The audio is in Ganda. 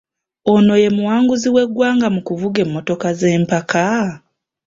Ono ye muwanguzi w’eggwanga mu kuvuga emmotoka z’empaka ?